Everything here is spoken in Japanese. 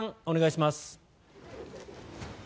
お願いします。